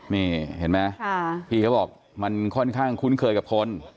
นี่เห็นไหมพี่เขาบอกมันค่อนข้างคุ้นเคยกับคน